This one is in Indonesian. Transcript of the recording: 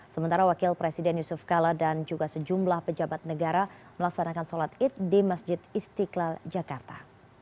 sementara wakil presiden yusuf kala dan juga sejumlah pejabat negara melaksanakan sholat id di masjid istiqlal jakarta